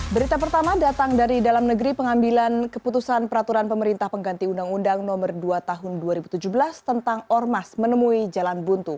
berita pertama datang dari dalam negeri pengambilan keputusan peraturan pemerintah pengganti undang undang no dua tahun dua ribu tujuh belas tentang ormas menemui jalan buntu